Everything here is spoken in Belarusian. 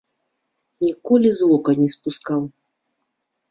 Ніколі з вока не спускаў.